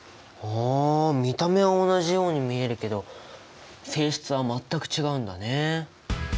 あ見た目は同じように見えるけど性質は全く違うんだね！